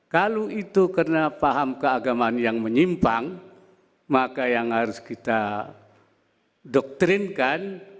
kalau itu karena paham keagamaan yang menyimpang maka yang harus kita doktrinkan